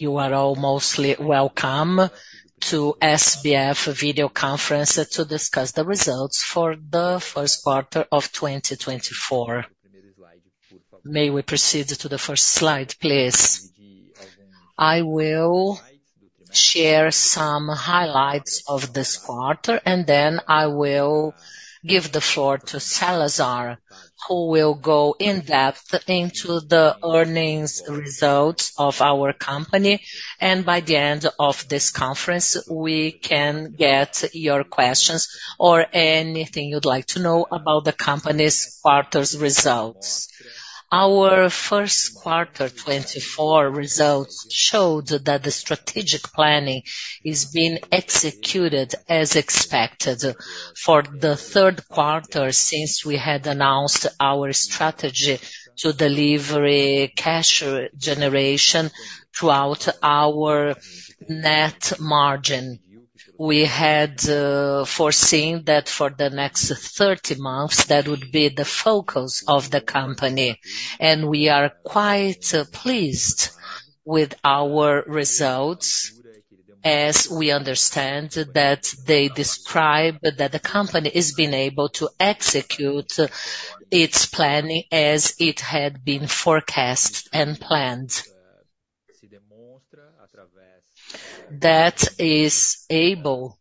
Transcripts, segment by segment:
You are all most welcome to SBF video conference to discuss the results for the first quarter of 2024. May we proceed to the first slide, please? I will share some highlights of this quarter, and then I will give the floor to Salazar, who will go in depth into the earnings results of our company. By the end of this conference, we can get your questions or anything you'd like to know about the company's quarter's results. Our first quarter, 2024, results showed that the strategic planning has been executed as expected for the third quarter since we had announced our strategy to deliver cash generation throughout our net margin. We had foreseen that for the next 30 months that would be the focus of the company, and we are quite pleased with our results as we understand that they describe that the company has been able to execute its planning as it had been forecast and planned. That is able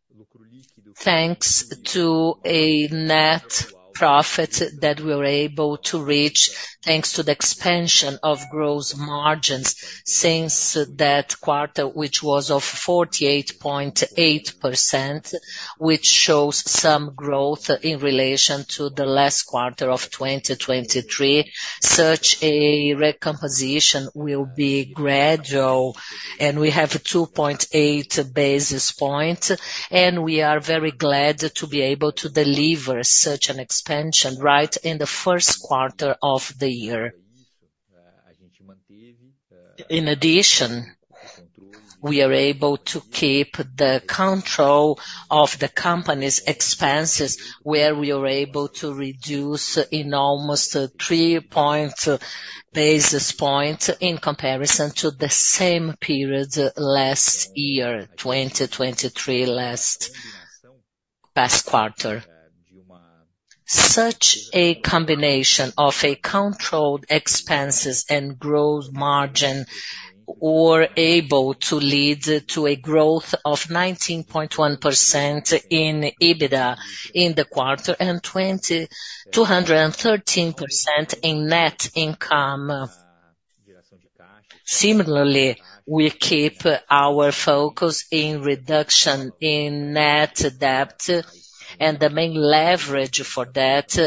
thanks to a net profit that we were able to reach thanks to the expansion of gross margins since that quarter, which was of 48.8%, which shows some growth in relation to the last quarter of 2023. Such a recomposition will be gradual, and we have 2.8 basis points, and we are very glad to be able to deliver such an expansion right in the first quarter of the year. In addition, we are able to keep the control of the company's expenses where we were able to reduce in almost 3.0 basis points in comparison to the same period last year, 2023, last quarter. Such a combination of controlled expenses and gross margin were able to lead to a growth of 19.1% in EBITDA in the quarter and 213% in net income. Similarly, we keep our focus in reduction in net debt, and the main leverage for that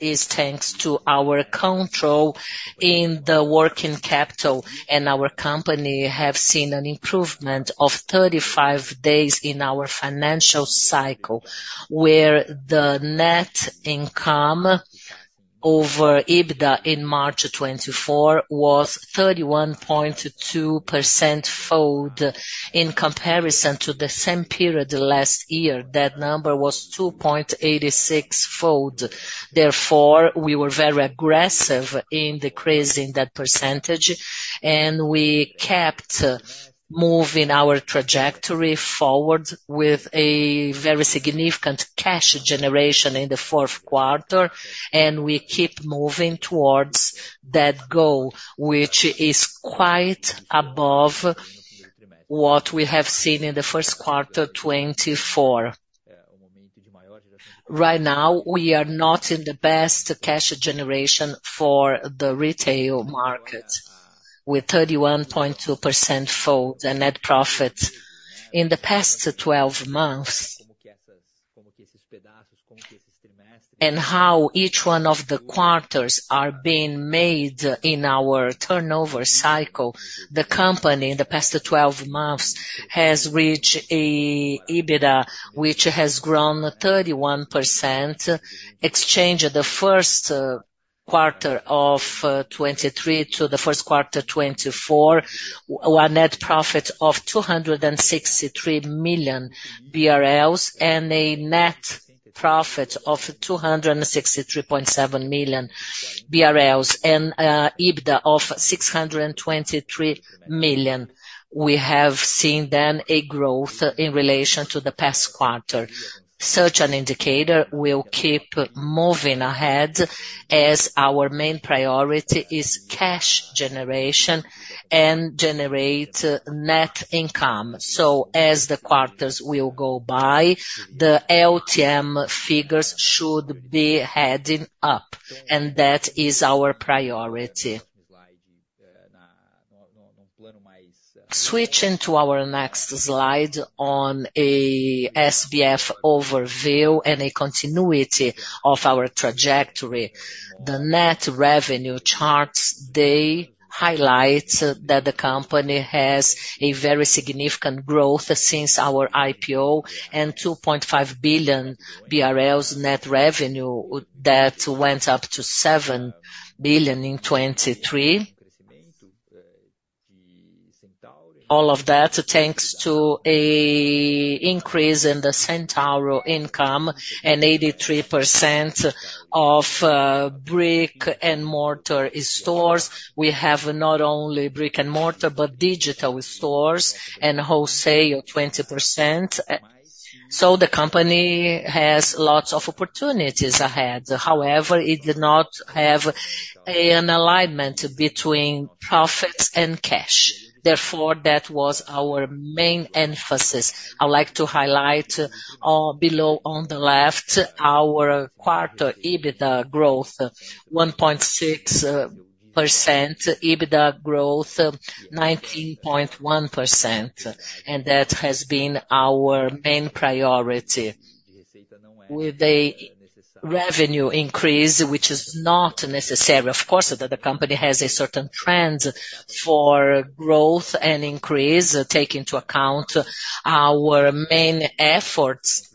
is thanks to our control in the working capital. Our company has seen an improvement of 35 days in our financial cycle where the net income over EBITDA in March 2024 was 31.2%-fold in comparison to the same period last year. That number was 2.86 fold. Therefore, we were very aggressive in decreasing that percentage, and we kept moving our trajectory forward with a very significant cash generation in the fourth quarter, and we keep moving towards that goal, which is quite above what we have seen in the first quarter, 2024. Right now, we are not in the best cash generation for the retail market with 31.2%-fold and net profit in the past 12 months. And how each one of the quarters are being made in our turnover cycle, the company in the past 12 months has reached an EBITDA which has grown 31%. Exchanged the first quarter of 2023 to the first quarter, 2024, a net profit of 263 million BRL and a net profit of 263.7 million BRL and an EBITDA of 623 million. We have seen then a growth in relation to the past quarter. Such an indicator will keep moving ahead as our main priority is cash generation and generate net income. So, as the quarters will go by, the LTM figures should be heading up, and that is our priority. Switching to our next slide on a SBF overview and a continuity of our trajectory, the net revenue charts, they highlight that the company has a very significant growth since our IPO and 2.5 billion BRL net revenue that went up to 7 billion in 2023. All of that thanks to an increase in the Centauro income and 83% of brick-and-mortar stores. We have not only brick-and-mortar but digital stores and wholesale, 20%. So, the company has lots of opportunities ahead. However, it did not have an alignment between profits and cash. Therefore, that was our main emphasis. I would like to highlight below on the left our quarter EBITDA growth, 1.6%, EBITDA growth, 19.1%, and that has been our main priority. With a revenue increase which is not necessary, of course, that the company has a certain trend for growth and increase taking into account our main efforts,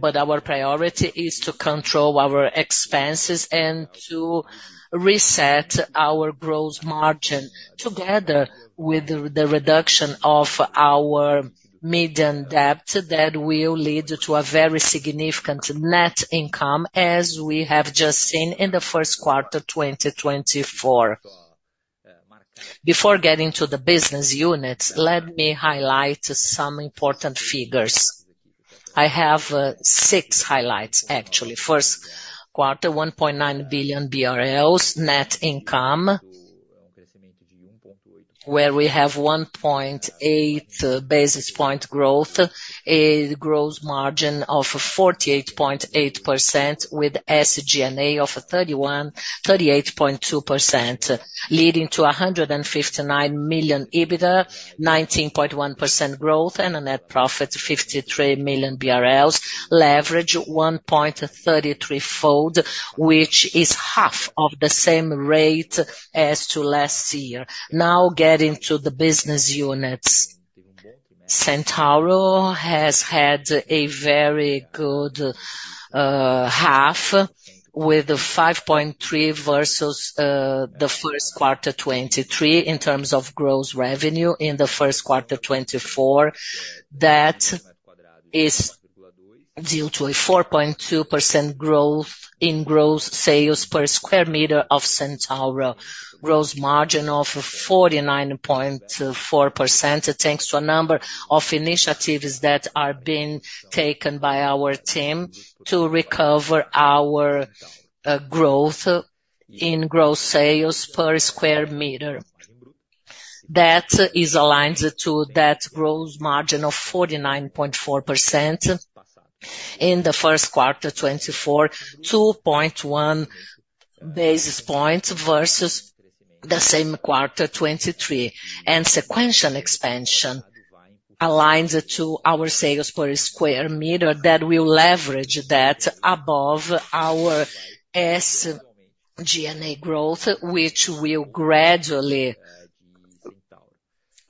but our priority is to control our expenses and to reset our gross margin together with the reduction of our net debt that will lead to a very significant net income as we have just seen in the first quarter, 2024. Before getting to the business units, let me highlight some important figures. I have six highlights, actually. First quarter, 1.9 billion BRL net income where we have 1.8 basis point growth, a gross margin of 48.8% with SG&A of 38.2% leading to 159 million EBITDA, 19.1% growth, and a net profit of 53 million BRL, leverage 1.33-fold, which is half of the same rate as to last year. Now getting to the business units, Centauro has had a very good half with 5.3 versus the first quarter, 2023, in terms of gross revenue in the first quarter, 2024. That is due to a 4.2% growth in gross sales per square meter of Centauro, gross margin of 49.4% thanks to a number of initiatives that are being taken by our team to recover our growth in gross sales per square meter. That is aligned to that gross margin of 49.4% in the first quarter, 2024, 2.1 basis points versus the same quarter, 2023, and sequential expansion aligned to our sales per square meter that will leverage that above our SG&A growth, which will gradually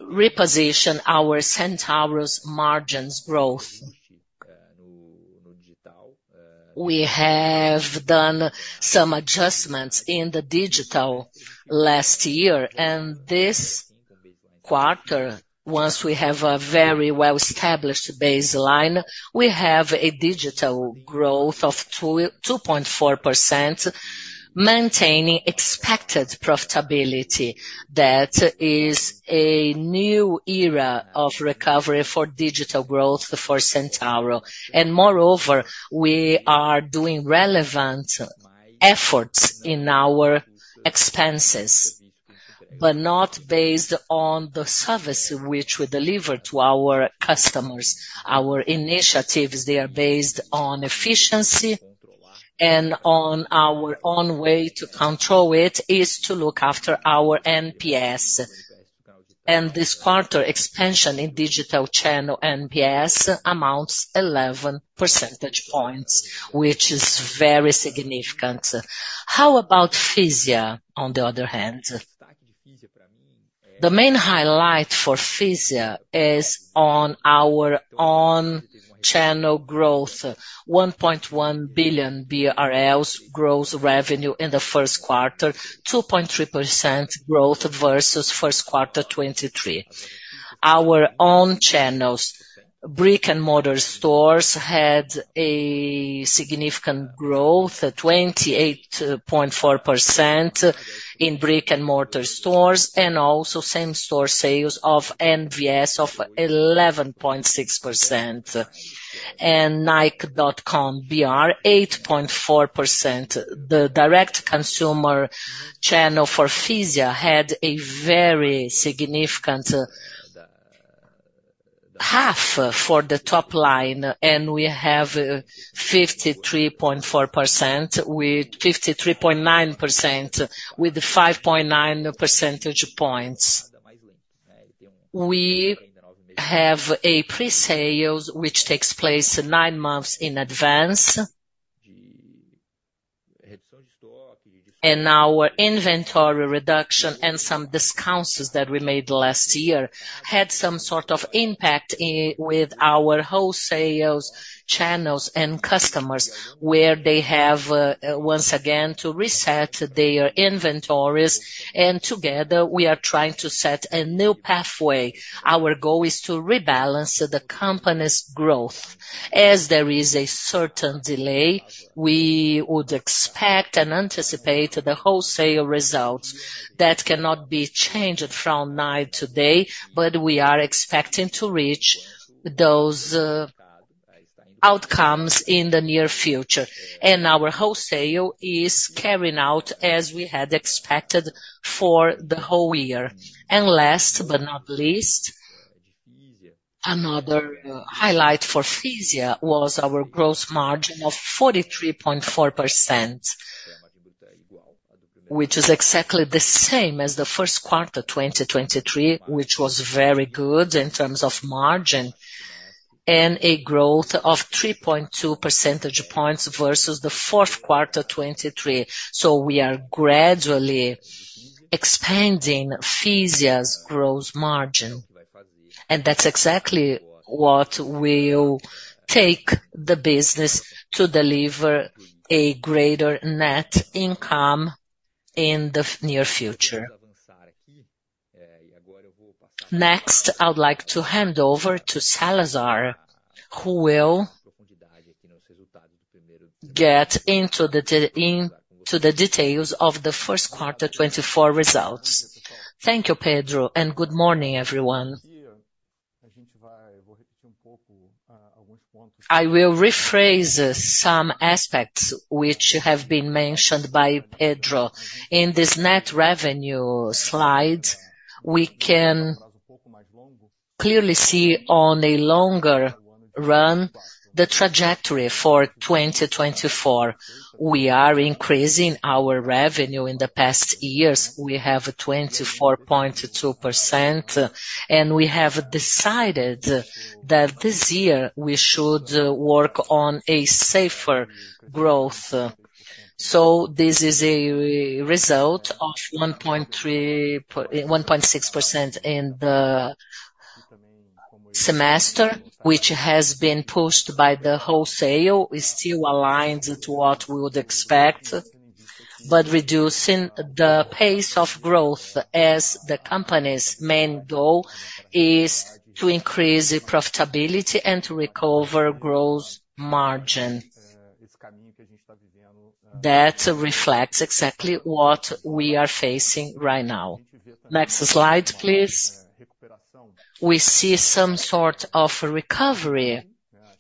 reposition our Centauro's margins growth. We have done some adjustments in the digital last year, and this quarter, once we have a very well-established baseline, we have a digital growth of 2.4% maintaining expected profitability. That is a new era of recovery for digital growth for Centauro. And moreover, we are doing relevant efforts in our expenses, but not based on the service which we deliver to our customers. Our initiatives, they are based on efficiency, and our own way to control it is to look after our NPS. And this quarter expansion in digital channel NPS amounts to 11 percentage points, which is very significant. How about Fisia, on the other hand? The main highlight for Fisia is on our own channel growth, 1.1 billion BRL gross revenue in the first quarter, 2.3% growth versus first quarter 2023. Our own channels, brick-and-mortar stores had a significant growth, 28.4% in brick-and-mortar stores and also same-store sales of NVS of 11.6% and Nike.com.br, 8.4%. The direct consumer channel for Fisia had a very significant half for the top line, and we have 53.9% with 5.9 percentage points. We have a pre-sales which takes place nine months in advance, and our inventory reduction and some discounts that we made last year had some sort of impact with our wholesale channels and customers where they have, once again, to reset their inventories. Together, we are trying to set a new pathway. Our goal is to rebalance the company's growth. As there is a certain delay, we would expect and anticipate the wholesale results that cannot be changed from night to day, but we are expecting to reach those outcomes in the near future. Our wholesale is carrying out as we had expected for the whole year. And last but not least, another highlight for Fisia was our gross margin of 43.4%, which is exactly the same as the first quarter, 2023, which was very good in terms of margin and a growth of 3.2 percentage points versus the fourth quarter, 2023. We are gradually expanding Fisia's gross margin, and that's exactly what will take the business to deliver a greater net income in the near future. Next, I would like to hand over to Salazar, who will get into the details of the first quarter, 2024 results. Thank you, Pedro, and good morning, everyone. I will rephrase some aspects which have been mentioned by Pedro. In this net revenue slide, we can clearly see on a longer run the trajectory for 2024. We are increasing our revenue in the past years. We have 24.2%, and we have decided that this year we should work on a safer growth. So, this is a result of 1.6% in the semester, which has been pushed by the wholesale. It's still aligned to what we would expect, but reducing the pace of growth as the company's main goal is to increase profitability and to recover gross margin. That reflects exactly what we are facing right now. Next slide, please. We see some sort of recovery,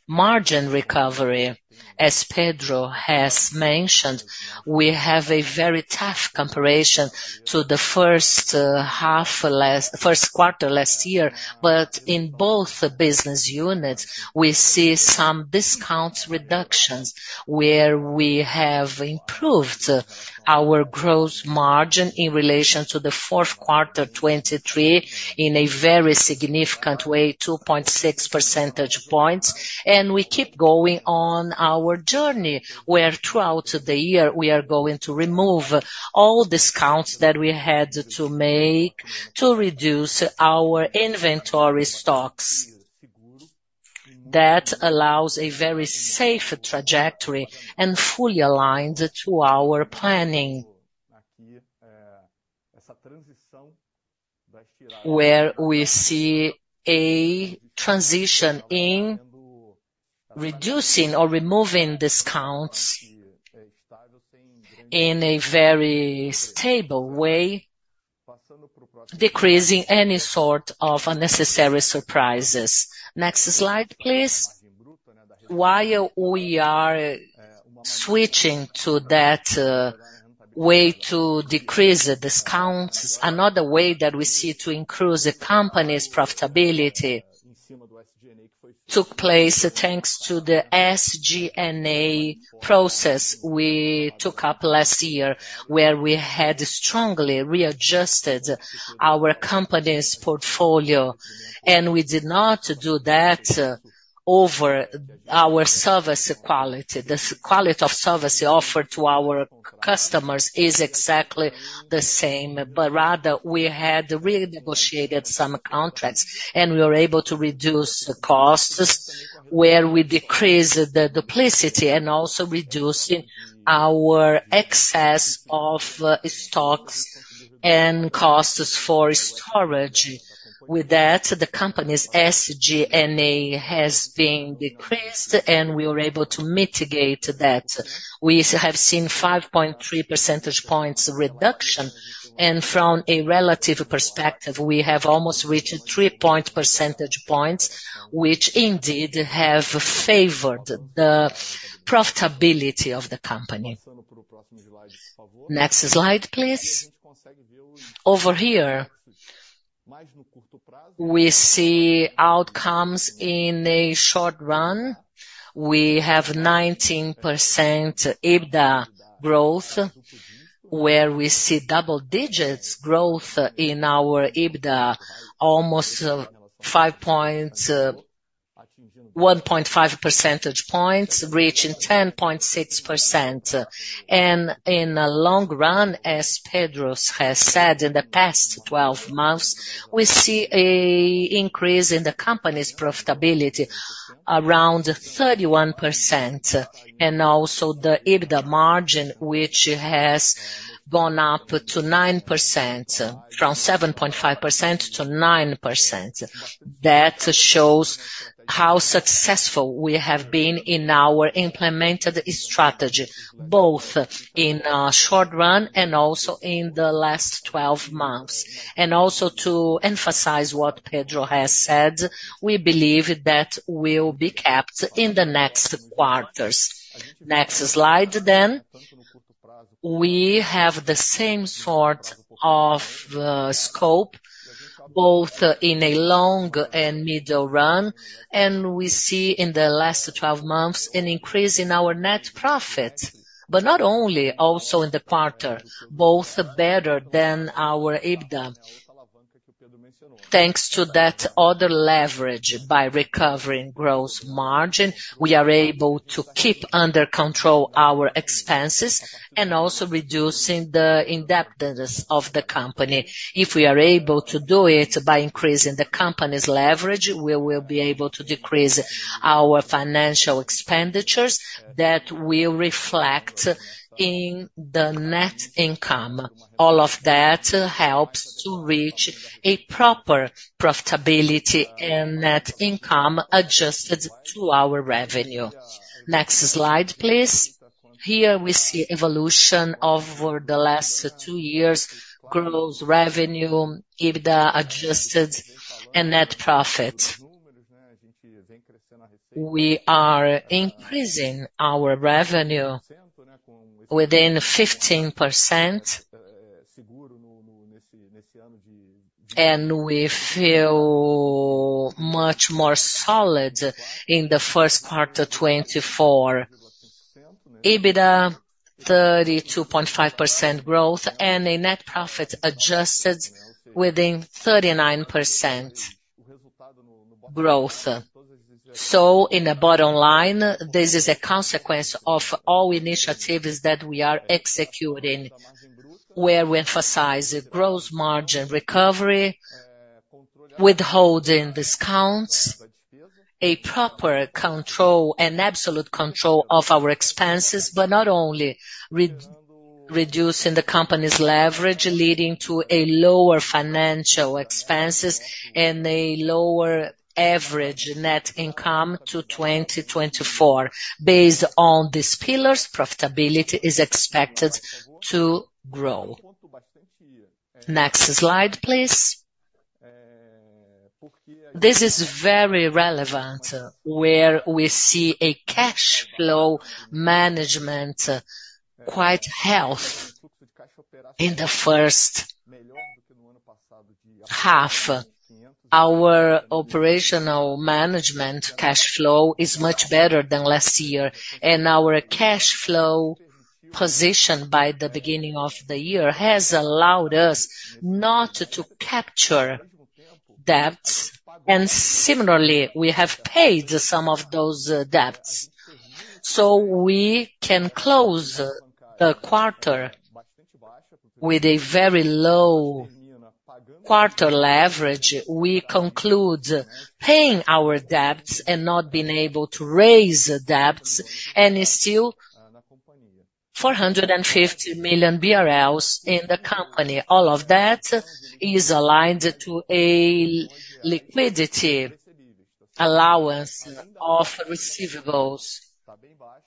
margin recovery. As Pedro has mentioned, we have a very tough comparison to the first quarter last year, but in both business units, we see some discount reductions where we have improved our gross margin in relation to the fourth quarter, 2023, in a very significant way, 2.6 percentage points. We keep going on our journey where throughout the year, we are going to remove all discounts that we had to make to reduce our inventory stocks. That allows a very safe trajectory and fully aligned to our planning where we see a transition in reducing or removing discounts in a very stable way, decreasing any sort of unnecessary surprises. Next slide, please. While we are switching to that way to decrease discounts, another way that we see to increase the company's profitability took place thanks to the SG&A process we took up last year where we had strongly readjusted our company's portfolio. We did not do that over our service quality. The quality of service offered to our customers is exactly the same, but rather we had renegotiated some contracts, and we were able to reduce costs where we decreased the duplication and also reducing our excess of stocks and costs for storage. With that, the company's SG&A has been decreased, and we were able to mitigate that. We have seen 5.3 percentage points reduction, and from a relative perspective, we have almost reached 3.0 percentage points, which indeed have favored the profitability of the company. Next slide, please. Over here, we see outcomes in a short run. We have 19% EBITDA growth where we see double-digit growth in our EBITDA, almost 1.5 percentage points, reaching 10.6%. In a long run, as Pedro has said, in the past 12 months, we see an increase in the company's profitability around 31% and also the EBITDA margin, which has gone up to 9%, from 7.5%-9%. That shows how successful we have been in our implemented strategy, both in a short run and also in the last 12 months. Also to emphasize what Pedro has said, we believe that will be kept in the next quarters. Next slide, then. We have the same sort of scope, both in a long and middle run, and we see in the last 12 months an increase in our net profit, but not only, also in the quarter, both better than our EBITDA. Thanks to that other leverage by recovering gross margin, we are able to keep under control our expenses and also reducing the indebtedness of the company. If we are able to do it by increasing the company's leverage, we will be able to decrease our financial expenditures that will reflect in the net income. All of that helps to reach a proper profitability and net income adjusted to our revenue. Next slide, please. Here we see evolution over the last two years, gross revenue, EBITDA adjusted, and net profit. We are increasing our revenue within 15%, and we feel much more solid in the first quarter, 2024, EBITDA 32.5% growth and a net profit adjusted within 39% growth. In the bottom line, this is a consequence of all initiatives that we are executing where we emphasize gross margin recovery, withholding discounts, a proper control and absolute control of our expenses, but not only reducing the company's leverage, leading to lower financial expenses and a lower average net debt to 2024. Based on these pillars, profitability is expected to grow. Next slide, please. This is very relevant where we see a cash flow management quite healthy in the first half. Our operational management cash flow is much better than last year, and our cash flow position by the beginning of the year has allowed us not to capture debts. Similarly, we have paid some of those debts. We can close the quarter with a very low quarter leverage. We conclude paying our debts and not being able to raise debts and still 450 million BRL in the company. All of that is aligned to a liquidity allowance of receivables.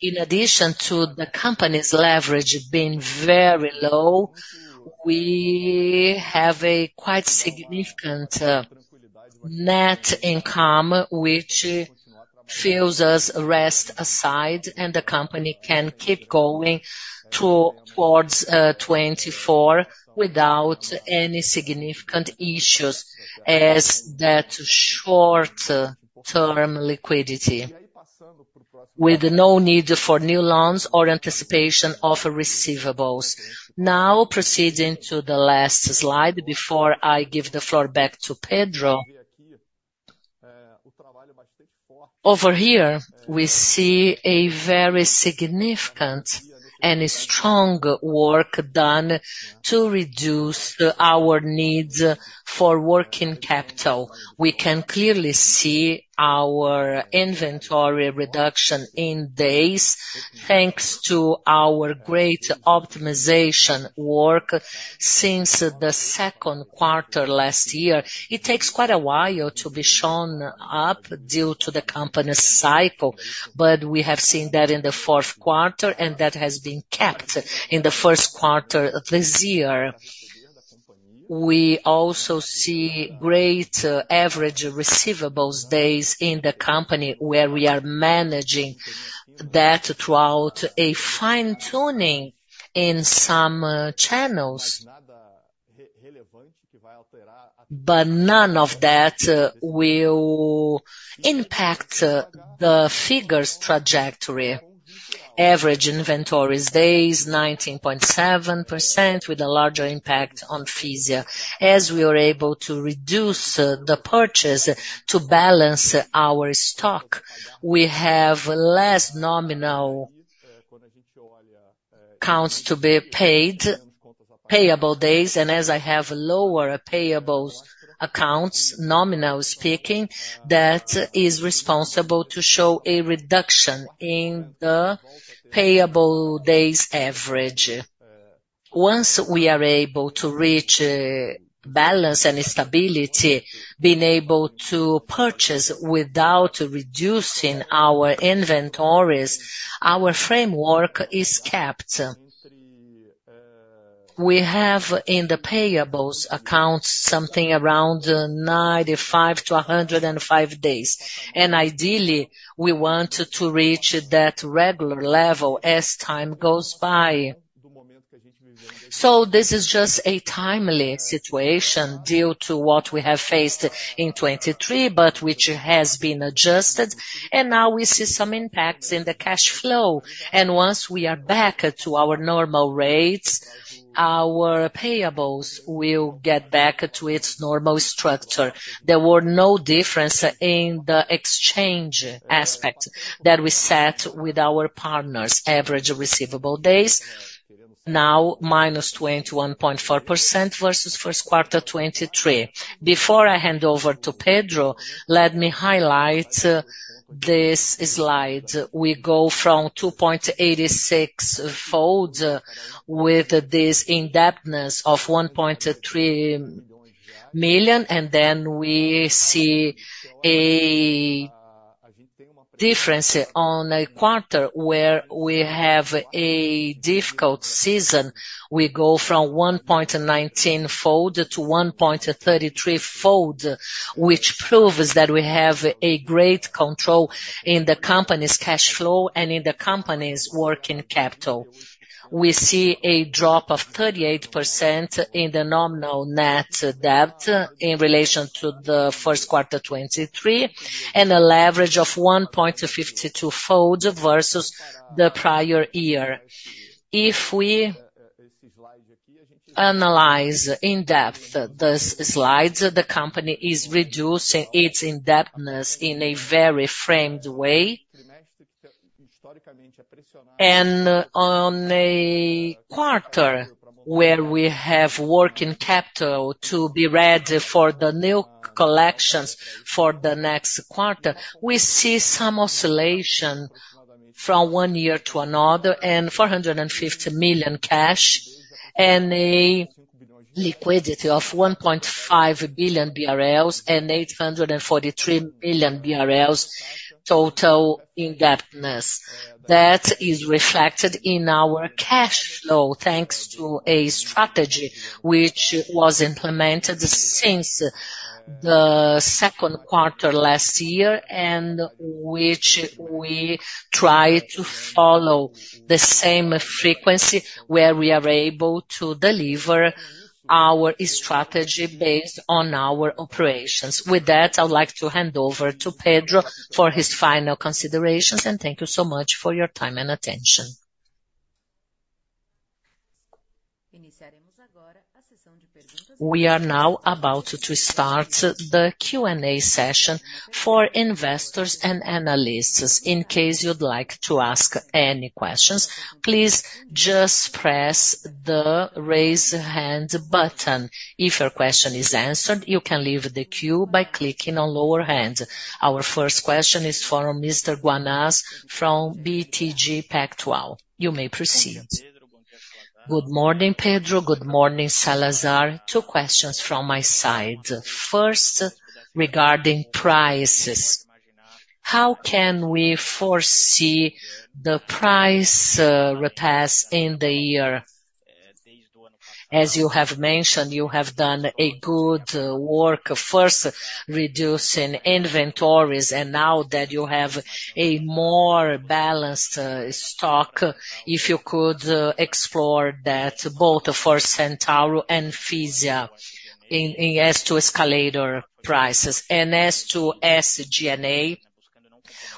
In addition to the company's leverage being very low, we have quite significant net income, which fills us rest aside, and the company can keep going towards 2024 without any significant issues as that short-term liquidity with no need for new loans or anticipation of receivables. Now proceeding to the last slide before I give the floor back to Pedro. Over here, we see a very significant and strong work done to reduce our need for working capital. We can clearly see our inventory reduction in days thanks to our great optimization work since the second quarter last year. It takes quite a while to be shown up due to the company's cycle, but we have seen that in the fourth quarter, and that has been kept in the first quarter this year. We also see great average receivables days in the company where we are managing that throughout a fine-tuning in some channels, but none of that will impact the figure's trajectory. Average inventories days, 19.7% with a larger impact on Fisia. As we were able to reduce the purchase to balance our stock, we have less nominal accounts to be paid, payable days, and as I have lower payables accounts, nominal speaking, that is responsible to show a reduction in the payable days average. Once we are able to reach balance and stability, being able to purchase without reducing our inventories, our framework is kept. We have in the payables accounts something around 95-105 days, and ideally, we want to reach that regular level as time goes by. So, this is just a timely situation due to what we have faced in 2023, but which has been adjusted, and now we see some impacts in the cash flow. And once we are back to our normal rates, our payables will get back to its normal structure. There were no differences in the exchange aspect that we set with our partners. Average receivable days, now -21.4% versus first quarter, 2023. Before I hand over to Pedro, let me highlight this slide. We go from 2.86x with this indebtedness of 1.3 million, and then we see a difference on a quarter where we have a difficult season. We go from 1.19x to 1.33x, which proves that we have great control in the company's cash flow and in the company's working capital. We see a drop of 38% in the nominal net debt in relation to the first quarter 2023, and a leverage of 1.52x versus the prior year. If we analyze in-depth these slides, the company is reducing its indebtedness in a very framed way. And on a quarter where we have working capital to be ready for the new collections for the next quarter, we see some oscillation from one year to another and 450 million cash and a liquidity of 1.5 billion BRL and 843 million BRL total indebtedness. That is reflected in our cash flow thanks to a strategy which was implemented since the second quarter last year and which we try to follow the same frequency where we are able to deliver our strategy based on our operations. With that, I would like to hand over to Pedro for his final considerations, and thank you so much for your time and attention. We are now about to start the Q&A session for investors and analysts. In case you would like to ask any questions, please just press the raise hand button. If your question is answered, you can leave the queue by clicking on lower hand. Our first question is from Mr. Guanais from BTG Pactual. You may proceed. Good morning, Pedro. Good morning, Salazar. Two questions from my side. First, regarding prices. How can we foresee the price repass in the year? As you have mentioned, you have done good work first reducing inventories and now that you have more balanced stock, if you could explore that both for Centauro and Fisia as to escalator prices. And as to SG&A,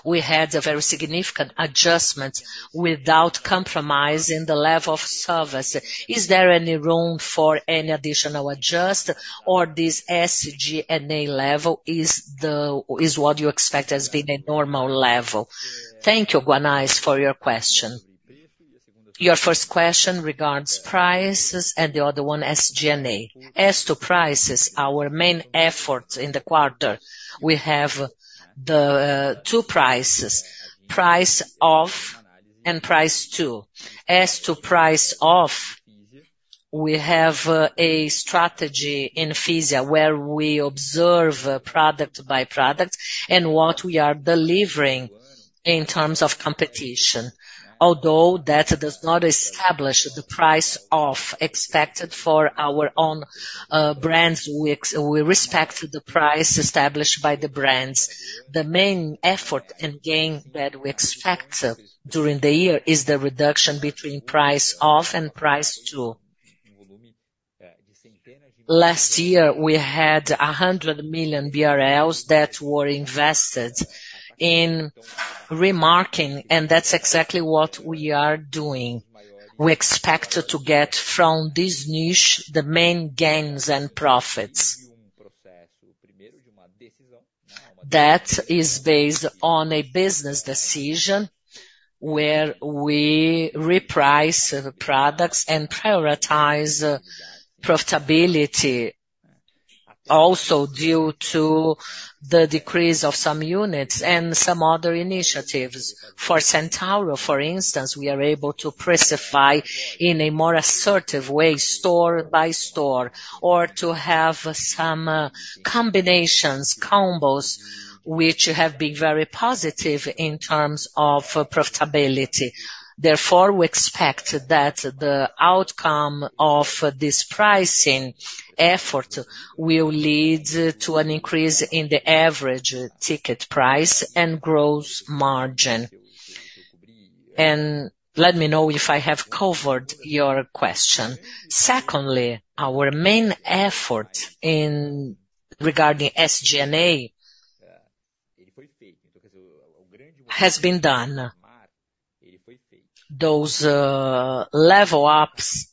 we had a very significant adjustment without compromise in the level of service. Is there any room for any additional adjustment, or this SG&A level is what you expect as being a normal level? Thank you, Guanais, for your question. Your first question regards prices and the other one, SG&A. As to prices, our main effort in the quarter, we have the two prices, price off and price to. As to price off, we have a strategy in Fisia where we observe product by product and what we are delivering in terms of competition, although that does not establish the price off expected for our own brands. We respect the price established by the brands. The main effort and gain that we expect during the year is the reduction between price off and price to. Last year, we had 100 million BRL that were invested in remarketing, and that's exactly what we are doing. We expect to get from this niche the main gains and profits. That is based on a business decision where we reprice products and prioritize profitability also due to the decrease of some units and some other initiatives. For Centauro, for instance, we are able to price in a more assertive way, store by store, or to have some combinations, combos, which have been very positive in terms of profitability. Therefore, we expect that the outcome of this pricing effort will lead to an increase in the average ticket price and gross margin. Let me know if I have covered your question. Secondly, our main effort regarding SG&A has been done. Those level ups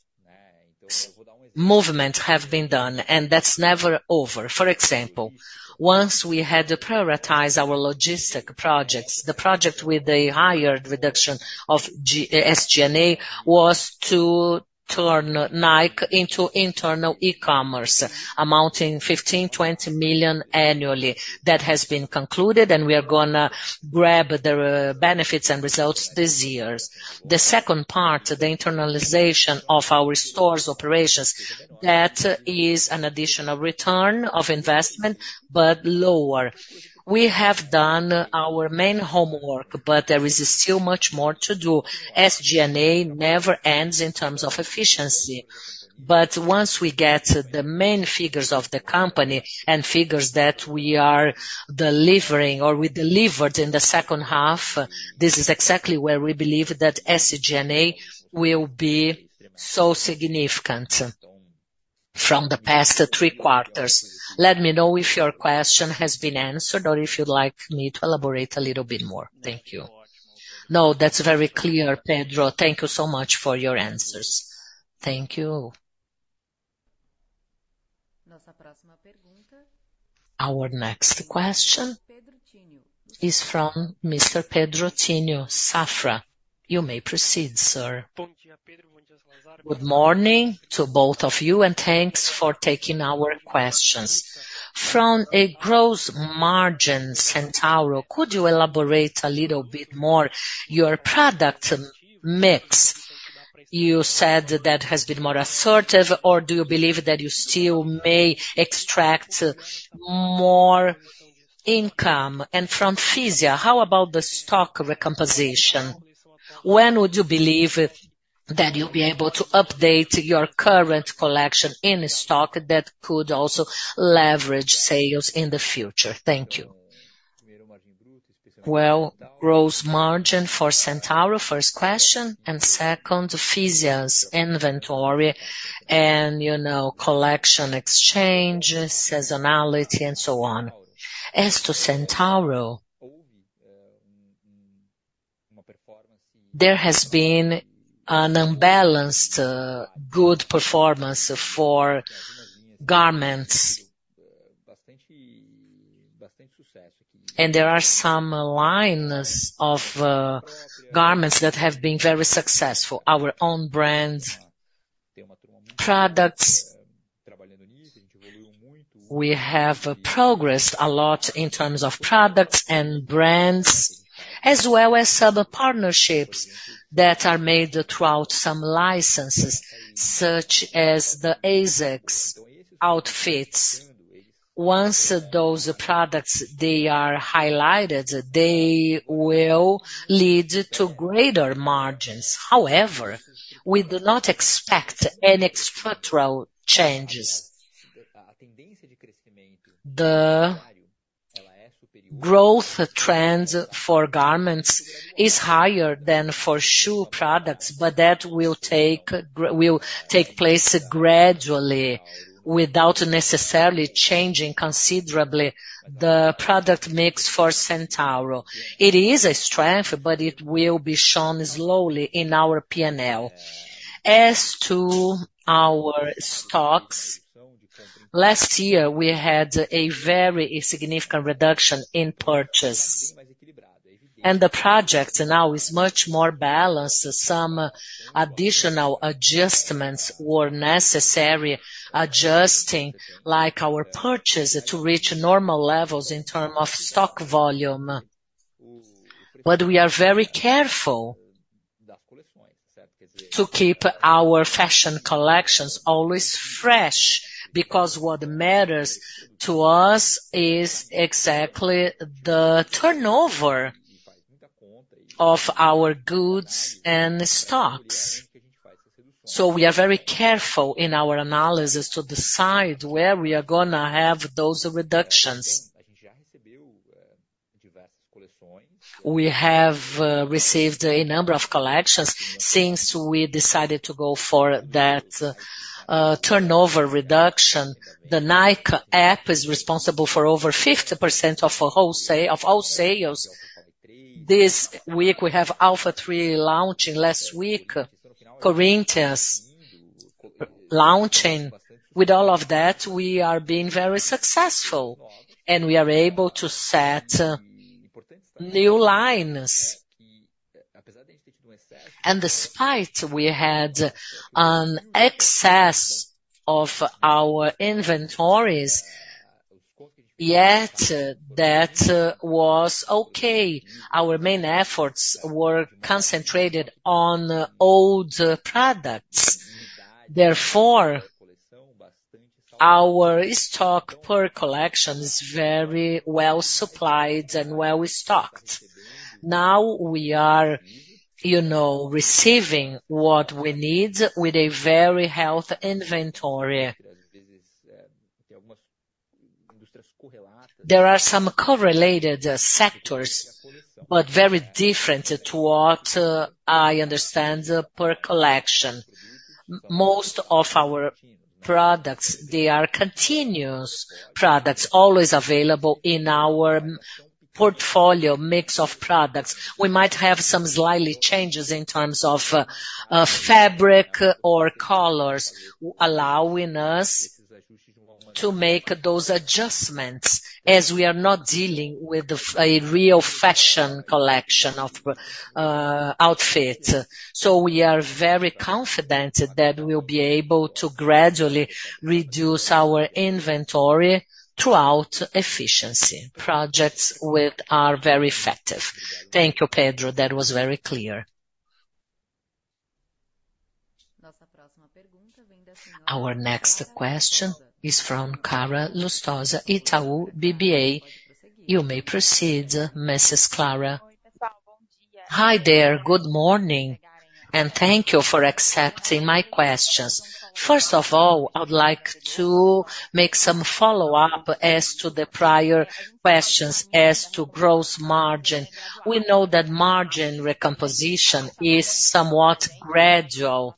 movements have been done, and that's never over. For example, once we had prioritized our logistic projects, the project with the higher reduction of SG&A was to turn Nike into internal e-commerce, amounting 15-20 million annually. That has been concluded, and we are going to grab the benefits and results this year. The second part, the internalization of our store's operations, that is an additional return of investment but lower. We have done our main homework, but there is still much more to do. SG&A never ends in terms of efficiency, but once we get the main figures of the company and figures that we are delivering or we delivered in the second half, this is exactly where we believe that SG&A will be so significant from the past three quarters. Let me know if your question has been answered or if you'd like me to elaborate a little bit more. Thank you. No, that's very clear, Pedro. Thank you so much for your answers. Thank you. Our next question is from Mr. Pedro Pinto Safra. You may proceed, sir. Good morning to both of you, and thanks for taking our questions. From a gross margin, Centauro, could you elaborate a little bit more? Your product mix, you said that has been more assertive, or do you believe that you still may extract more income? And from Fisia, how about the stock recomposition? When would you believe that you'll be able to update your current collection in stock that could also leverage sales in the future? Thank you. Well, gross margin for Centauro, first question, and second, Fisia's inventory and collection exchange, seasonality, and so on. As to Centauro, there has been an unbalanced good performance for garments, and there are some lines of garments that have been very successful. Our own brand products, we have progressed a lot in terms of products and brands, as well as some partnerships that are made throughout some licenses such as the ASICS outfits. Once those products, they are highlighted, they will lead to greater margins. However, we do not expect any structural changes. The growth trend for garments is higher than for shoe products, but that will take place gradually without necessarily changing considerably the product mix for Centauro. It is a strength, but it will be shown slowly in our P&L. As to our stocks, last year, we had a very significant reduction in purchase, and the project now is much more balanced. Some additional adjustments were necessary, adjusting our purchase to reach normal levels in terms of stock volume. But we are very careful to keep our fashion collections always fresh because what matters to us is exactly the turnover of our goods and stocks. So, we are very careful in our analysis to decide where we are going to have those reductions. We have received a number of collections since we decided to go for that turnover reduction. The Nike App is responsible for over 50% of all sales. This week, we have Alpha 3 launching last week, Corinthians launching. With all of that, we are being very successful, and we are able to set new lines. And despite we had an excess of our inventories, yet that was okay. Our main efforts were concentrated on old products. Therefore, our stock per collection is very well supplied and well stocked. Now we are receiving what we need with a very healthy inventory. There are some correlated sectors, but very different to what I understand per collection. Most of our products, they are continuous products, always available in our portfolio mix of products. We might have some slightly changes in terms of fabric or colors allowing us to make those adjustments as we are not dealing with a real fashion collection of outfits. So, we are very confident that we will be able to gradually reduce our inventory throughout efficiency. Projects are very effective. Thank you, Pedro. That was very clear. Our next question is from Clara Lustosa, Itaú BBA. You may proceed, Mrs. Clara. Hi there. Good morning, and thank you for accepting my questions. First of all, I would like to make some follow-up as to the prior questions as to gross margin. We know that margin recomposition is somewhat gradual,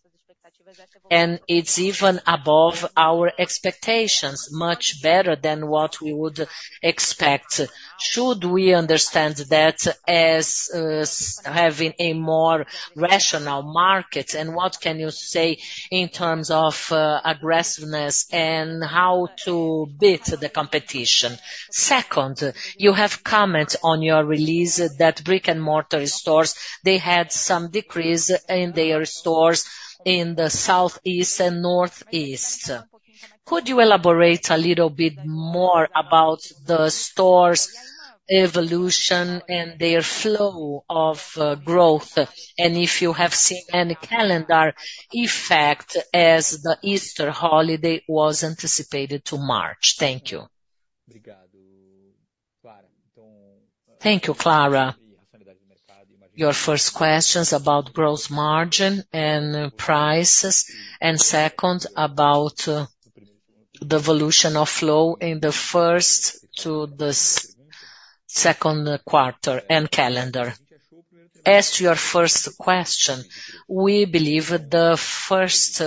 and it's even above our expectations, much better than what we would expect. Should we understand that as having a more rational market, and what can you say in terms of aggressiveness and how to beat the competition? Second, you have commented on your release that brick-and-mortar stores, they had some decrease in their stores in the Southeast and Northeast. Could you elaborate a little bit more about the store's evolution and their flow of growth, and if you have seen any calendar effect as the Easter holiday was anticipated to March? Thank you. Thank you, Clara. Your first questions about gross margin and prices, and second about the evolution of flow in the first to the second quarter and calendar. As to your first question, we believe the first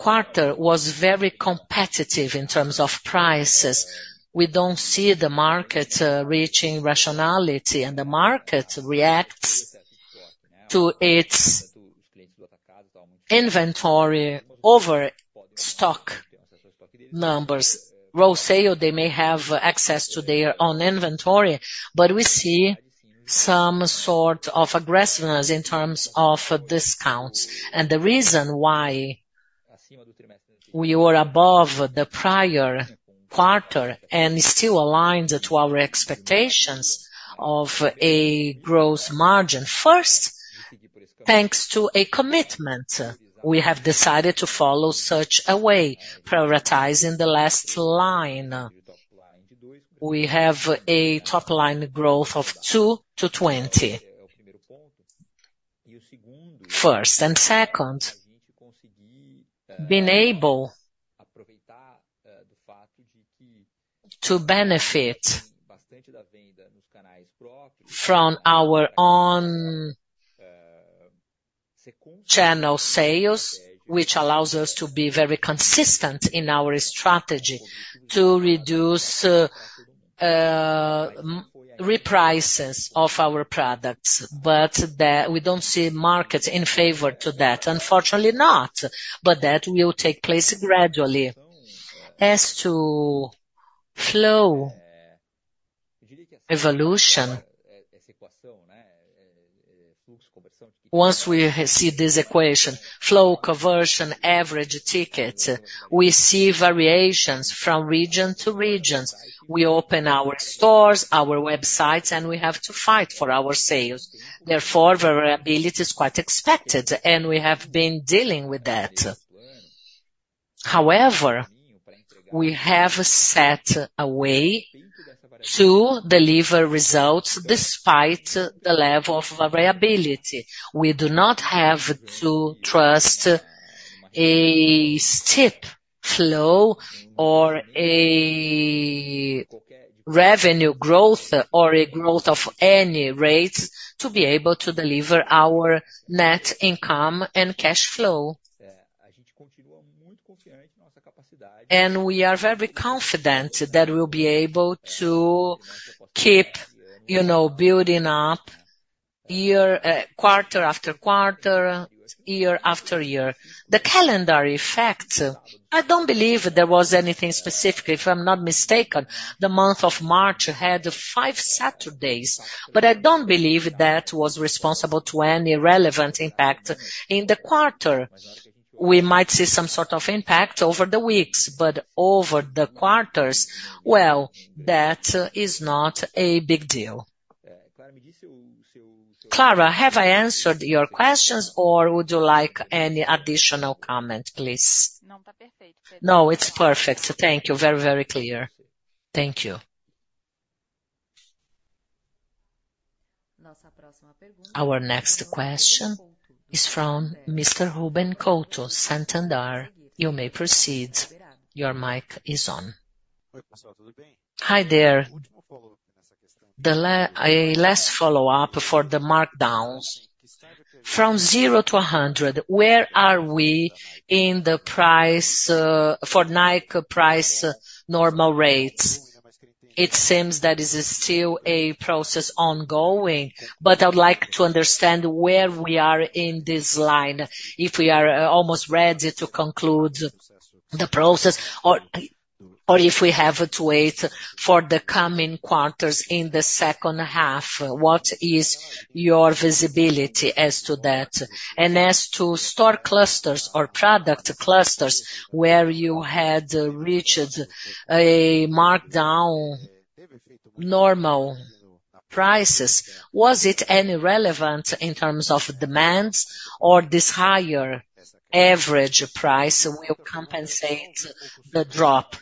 quarter was very competitive in terms of prices. We don't see the market reaching rationality, and the market reacts to its inventory over stock numbers. Gross sale, they may have access to their own inventory, but we see some sort of aggressiveness in terms of discounts. The reason why we were above the prior quarter and still aligned to our expectations of a gross margin, first, thanks to a commitment, we have decided to follow such a way, prioritizing the last line. We have a top-line growth of 2-20. First, and second, to benefit from our own channel sales, which allows us to be very consistent in our strategy to reduce reprices of our products. We don't see market in favor to that, unfortunately not, but that will take place gradually. As to flow evolution, once we see this equation, flow, conversion, average ticket, we see variations from region to region. We open our stores, our websites, and we have to fight for our sales. Therefore, variability is quite expected, and we have been dealing with that. However, we have set a way to deliver results despite the level of variability. We do not have to trust a cash flow or a revenue growth or a growth of any rates to be able to deliver our net income and cash flow. We are very confident that we'll be able to keep building up year quarter after quarter, year after year. The calendar effect, I don't believe there was anything specific. If I'm not mistaken, the month of March had five Saturdays, but I don't believe that was responsible to any relevant impact in the quarter. We might see some sort of impact over the weeks, but over the quarters, well, that is not a big deal. Clara, have I answered your questions, or would you like any additional comment, please? No, it's perfect. Thank you. Very, very clear. Thank you. Our next question is from Mr. Ruben Couto, Santander. You may proceed. Your mic is on. Hi there. A last follow-up for the markdowns. From 0 to 100, where are we in the price for Nike price normal rates? It seems that it's still a process ongoing, but I would like to understand where we are in this line, if we are almost ready to conclude the process or if we have to wait for the coming quarters in the second half. What is your visibility as to that? And as to store clusters or product clusters where you had reached a markdown normal prices, was it any relevant in terms of demand or this higher average price will compensate the drop?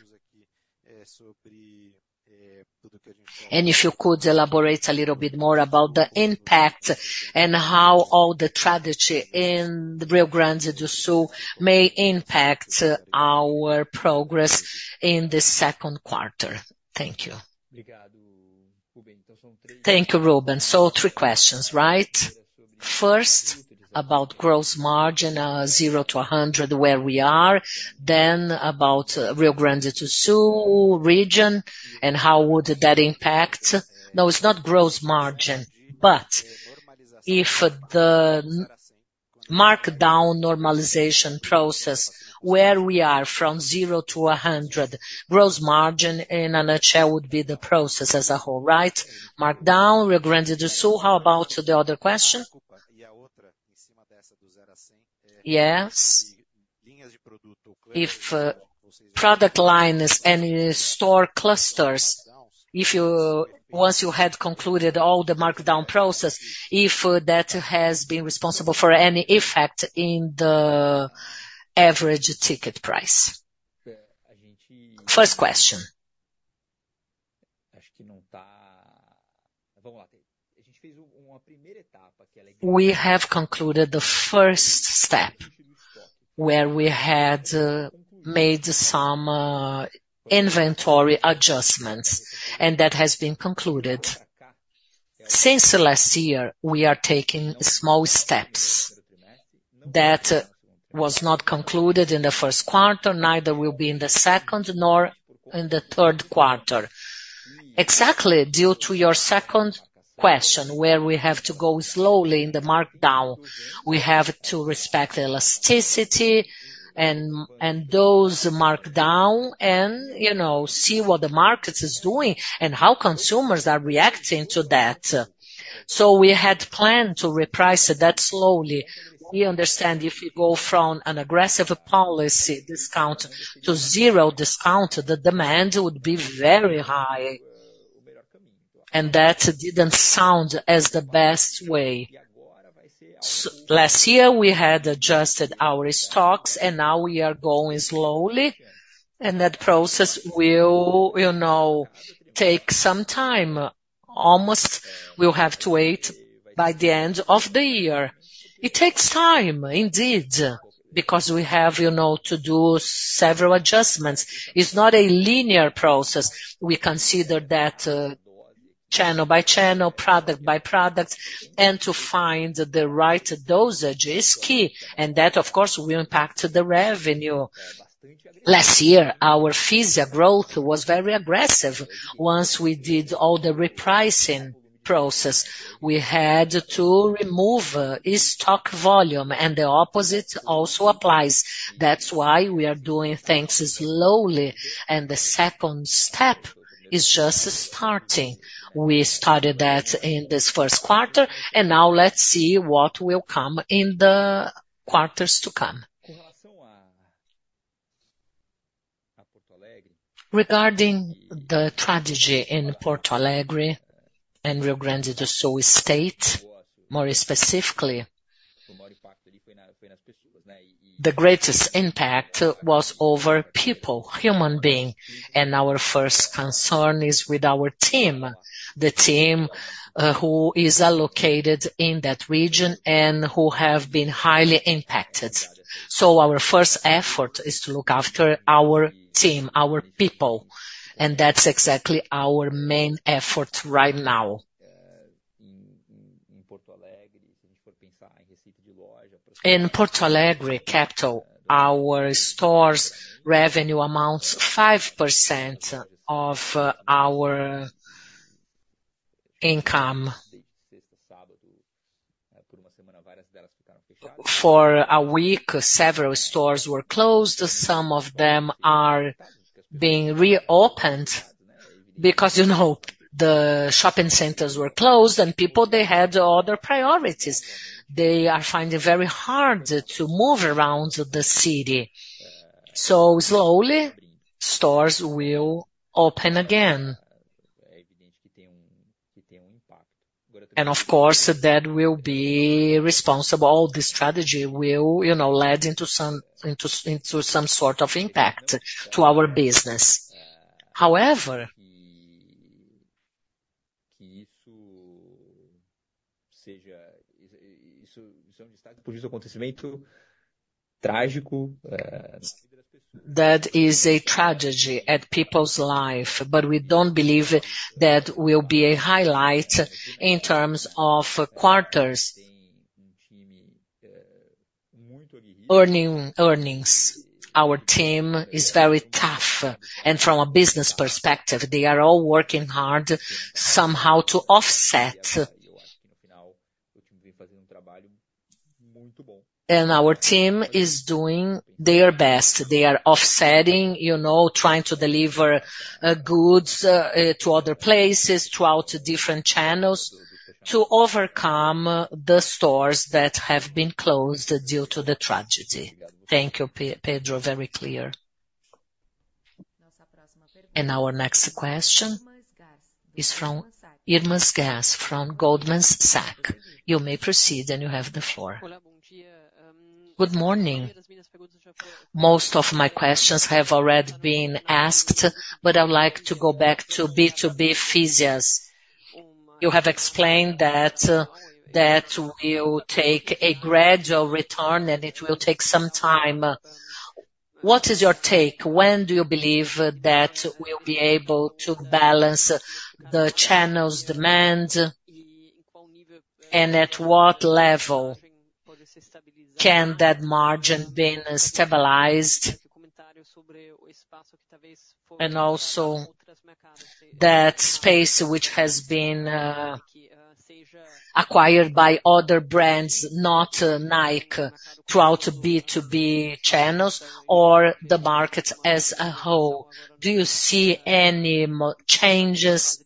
And if you could elaborate a little bit more about the impact and how all the tragedy in Rio Grande do Sul may impact our progress in the second quarter. Thank you. Thank you, Ruben. So, three questions, right? First, about gross margin 0 to 100, where we are. Then about Rio Grande do Sul region and how would that impact? No, it's not gross margin, but if the markdown normalization process, where we are from 0 to 100, gross margin in a nutshell would be the process as a whole, right? Markdown, Rio Grande do Sul. How about the other question? If product lines and store clusters, once you had concluded all the markdown process, if that has been responsible for any effect in the average ticket price. First question. We have concluded the first step where we had made some inventory adjustments, and that has been concluded. Since last year, we are taking small steps. That was not concluded in the first quarter, neither will be in the second nor in the third quarter. Exactly due to your second question, where we have to go slowly in the markdown. We have to respect elasticity and those markdown and see what the market is doing and how consumers are reacting to that. So, we had planned to reprice that slowly. We understand if you go from an aggressive policy discount to zero discount, the demand would be very high, and that didn't sound as the best way. Last year, we had adjusted our stocks, and now we are going slowly, and that process will take some time. Almost we'll have to wait by the end of the year. It takes time, indeed, because we have to do several adjustments. It's not a linear process. We consider that channel by channel, product by product, and to find the right dosage is key, and that, of course, will impact the revenue. Last year, our Fisia growth was very aggressive. Once we did all the repricing process, we had to remove stock volume, and the opposite also applies. That's why we are doing things slowly, and the second step is just starting. We started that in this first quarter, and now let's see what will come in the quarters to come. Regarding the tragedy in Porto Alegre and Rio Grande do Sul state, more specifically, the greatest impact was over people, human beings. Our first concern is with our team, the team who is located in that region and who have been highly impacted. Our first effort is to look after our team, our people, and that's exactly our main effort right now. In Porto Alegre, se a gente for pensar em receita de loja. In Porto Alegre, capital, our store's revenue amounts 5% of our income. For a week, several stores were closed. Some of them are being reopened because the shopping centers were closed, and people, they had other priorities. They are finding very hard to move around the city. So slowly, stores will open again. And of course, that will be responsible. All this strategy will lead into some sort of impact to our business. However, that is a tragedy at people's lives, but we don't believe that will be a highlight in terms of quarters. Our team is very tough, and from a business perspective, they are all working hard somehow to offset. And our team is doing their best. They are offsetting, trying to deliver goods to other places throughout different channels to overcome the stores that have been closed due to the tragedy. Thank you, Pedro, very clear. And our next question is from Irma Sgarz from Goldman Sachs. You may proceed, and you have the floor. Good morning. Most of my questions have already been asked, but I would like to go back to B2B Fisia's. You have explained that that will take a gradual return, and it will take some time. What is your take? When do you believe that we'll be able to balance the channel's demand, and at what level can that margin be stabilized? And also that space which has been acquired by other brands, not Nike, throughout B2B channels or the market as a whole. Do you see any changes now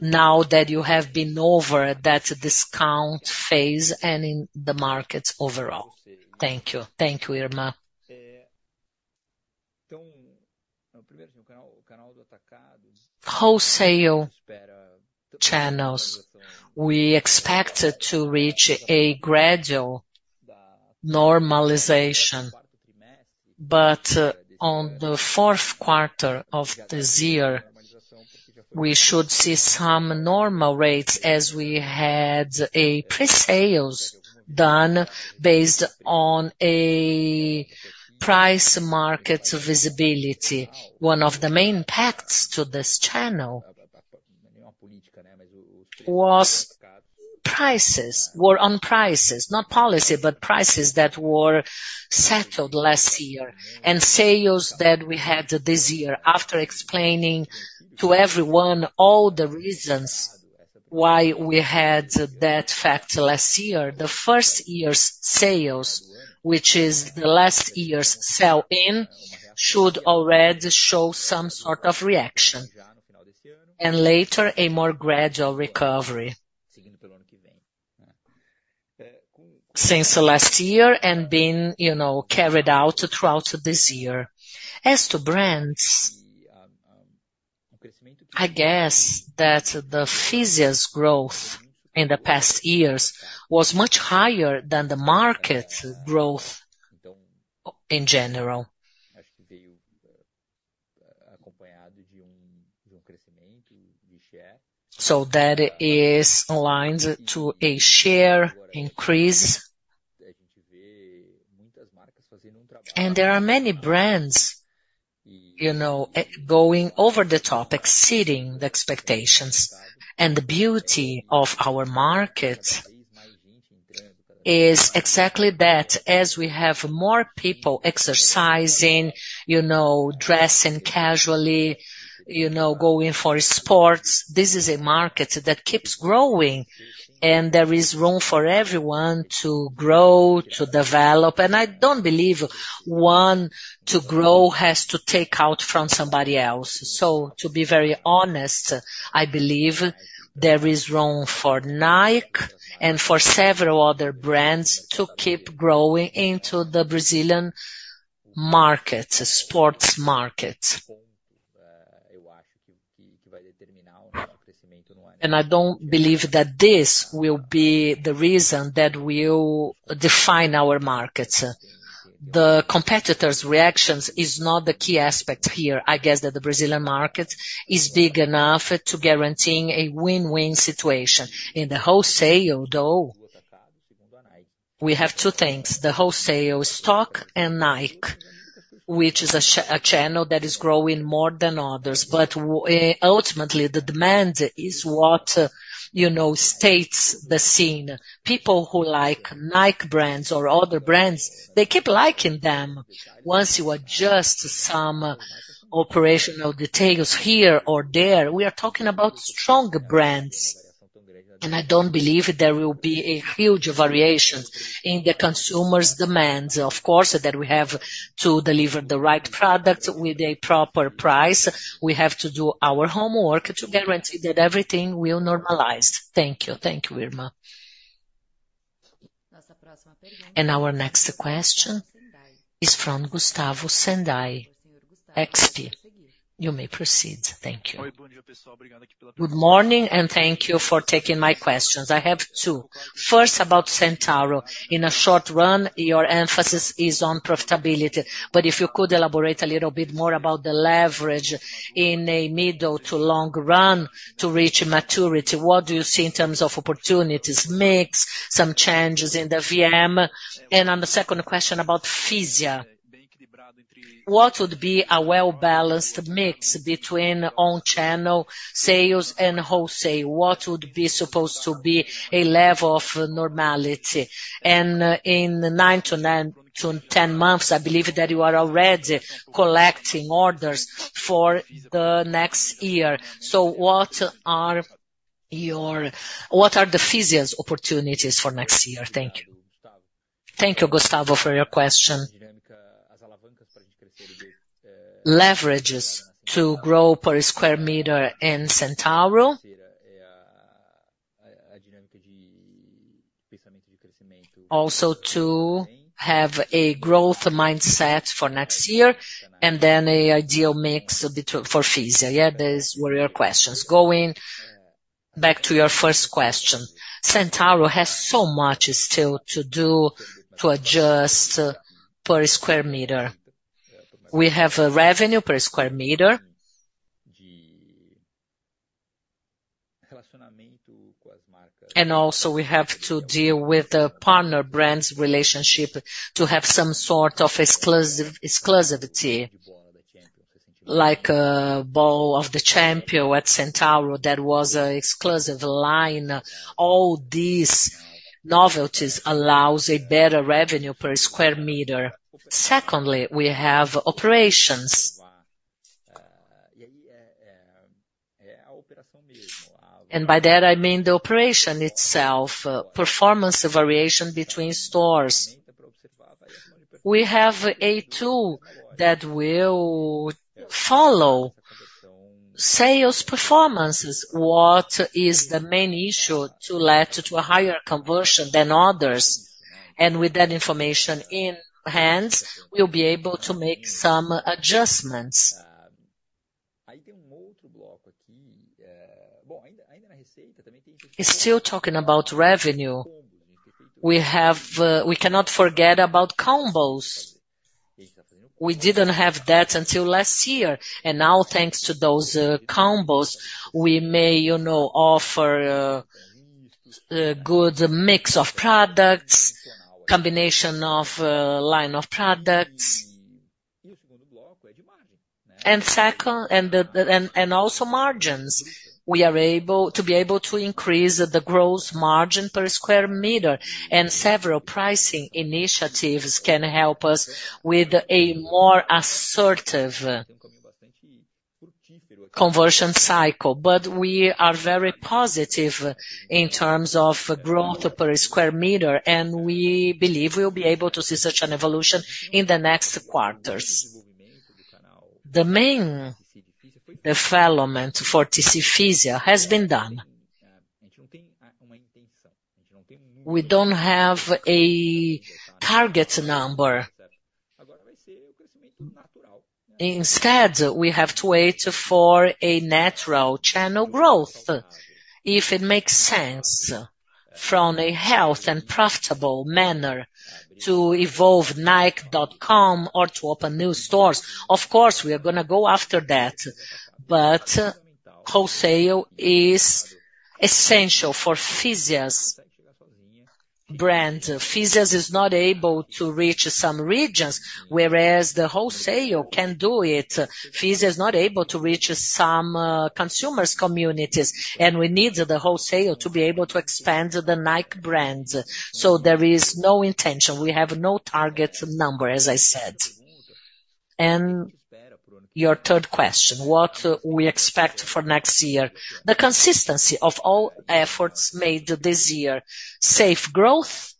that you have been over that discount phase and in the market overall? Thank you. Thank you, Irma. Wholesale channels, we expect to reach a gradual normalization, but on the fourth quarter of this year, we should see some normal rates as we had a presales done based on a price market visibility. One of the main impacts to this channel was on prices, not policy, but prices that were settled last year and sales that we had this year. After explaining to everyone all the reasons why we had that effect last year, the first year's sales, which is the last year's sell-in, should already show some sort of reaction and later a more gradual recovery. Since last year and been carried out throughout this year. As to brands, I guess that the Fisia's growth in the past years was much higher than the market growth in general. That is aligned to a share increase. There are many brands going over the top, exceeding the expectations. The beauty of our market is exactly that. As we have more people exercising, dressing casually, going for sports, this is a market that keeps growing, and there is room for everyone to grow, to develop. I don't believe one to grow has to take out from somebody else. To be very honest, I believe there is room for Nike and for several other brands to keep growing into the Brazilian market, sports market. I don't believe that this will be the reason that will define our market. The competitors' reactions is not the key aspect here. I guess that the Brazilian market is big enough to guarantee a win-win situation. In the wholesale, though, we have two things: the wholesale stock and Nike, which is a channel that is growing more than others. But ultimately, the demand is what states the scene. People who like Nike brands or other brands, they keep liking them. Once you adjust some operational details here or there, we are talking about strong brands. And I don't believe there will be a huge variation in the consumers' demands. Of course, that we have to deliver the right product with a proper price. We have to do our homework to guarantee that everything will normalize. Thank you. Thank you, Irma. And our next question is from Gustavo Senday, XP. You may proceed. Thank you. Good morning, and thank you for taking my questions. I have two. First, about Centauro. In a short run, your emphasis is on profitability. But if you could elaborate a little bit more about the leverage in a middle to long run to reach maturity, what do you see in terms of opportunities mix, some changes in the VM? And on the second question about Fisia, what would be a well-balanced mix between own channel sales and wholesale? What would be supposed to be a level of normality? And in 9-10 months, I believe that you are already collecting orders for the next year. So, what are the Fisia's opportunities for next year? Thank you. Thank you, Gustavo, for your question. Leverages to grow per square meter in Centauro. Also to have a growth mindset for next year and then an ideal mix for Fisia. Yeah, those were your questions. Going back to your first question, Centauro has so much still to do to adjust per square meter. We have revenue per square meter. Also we have to deal with the partner brands relationship to have some sort of exclusivity, like Ball of the Champion at Centauro that was an exclusive line. All these novelties allow a better revenue per square meter. Secondly, we have operations. By that, I mean the operation itself, performance variation between stores. We have a tool that will follow sales performances. What is the main issue to lead to a higher conversion than others? With that information in hand, we'll be able to make some adjustments. It's still talking about revenue. We cannot forget about combos. We didn't have that until last year, and now thanks to those combos, we may offer a good mix of products, combination of line of products. Also, margins. We are able to be able to increase the gross margin per square meter, and several pricing initiatives can help us with a more assertive conversion cycle. But we are very positive in terms of growth per square meter, and we believe we'll be able to see such an evolution in the next quarters. The main development for DTC Fisia has been done. We don't have a target number. Instead, we have to wait for a natural channel growth, if it makes sense, from a healthy and profitable manner to evolve Nike.com or to open new stores. Of course, we are going to go after that, but wholesale is essential for Fisia's brands. Fisia's is not able to reach some regions, whereas the wholesale can do it. Fisia is not able to reach some consumers' communities, and we need the wholesale to be able to expand the Nike brand. So there is no intention. We have no target number, as I said. And your third question, what we expect for next year? The consistency of all efforts made this year: safe growth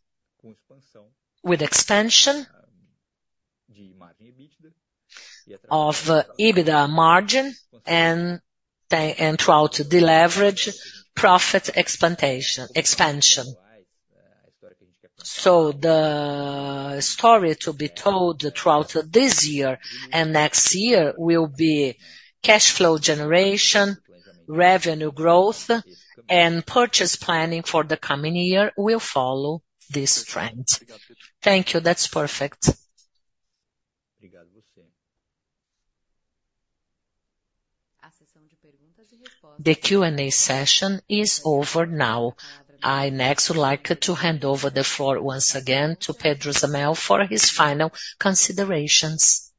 with expansion of EBITDA margin and throughout the leverage profit expansion. So the story to be told throughout this year and next year will be cash flow generation, revenue growth, and purchase planning for the coming year will follow this trend. Thank you. That's perfect. The Q&A session is over now. I next would like to hand over the floor once again to Pedro Zemel for his final considerations.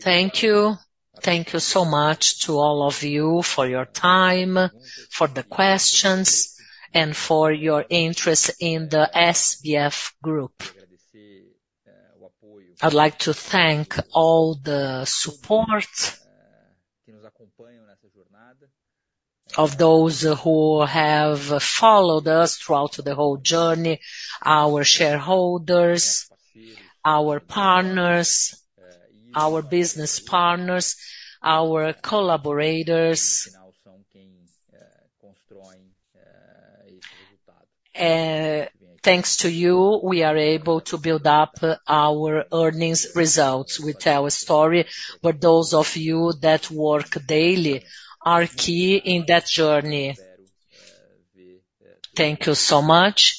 Thank you. Thank you so much to all of you for your time, for the questions, and for your interest in the SBF Group. I'd like to thank all the support of those who have followed us throughout the whole journey: our shareholders, our partners, our business partners, our collaborators. Thanks to you, we are able to build up our earnings results. We tell a story, but those of you that work daily are key in that journey. Thank you so much.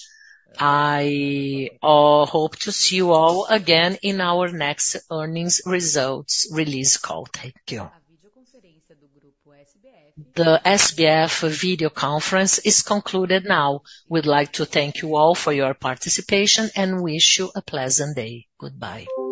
I hope to see you all again in our next earnings results release call. Thank you. The SBF video conference is concluded now. We'd like to thank you all for your participation and wish you a pleasant day. Goodbye.